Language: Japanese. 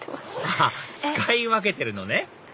あっ使い分けてるのね